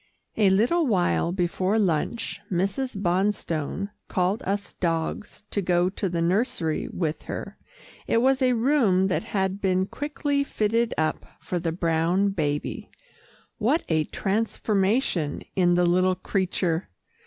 A little while before lunch, Mrs. Bonstone called us dogs to go to the nursery with her. It was a room that had been quickly fitted up for the brown baby. What a transformation in the little creature!